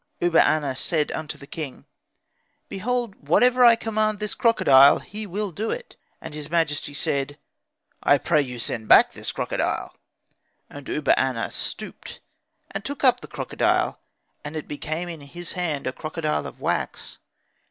Uba aner said unto the king, 'Behold, whatever I command this crocodile he will do it.' And his majesty said, 'I pray you send back this crocodile." And Uba aner stooped and took up the crocodile, and it became in his hand a crocodile of wax.